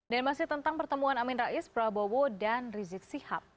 dan masih tentang pertemuan amin rais prabowo dan rizik syihab